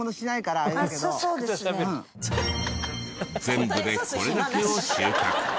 全部でこれだけを収穫。